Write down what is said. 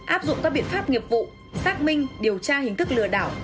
áp dụng các biện pháp nghiệp vụ xác minh điều tra hình thức lừa đảo